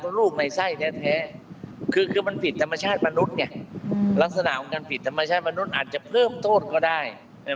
เพราะลูกในไส้แท้คือมันผิดธรรมชาติมนุษย์ไงลักษณะของการผิดธรรมชาติมนุษย์อาจจะเพิ่มโทษก็ได้